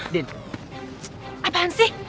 din apaan sih